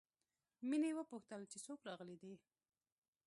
مينې وپوښتل چې څوک راغلي دي